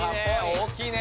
大きいね。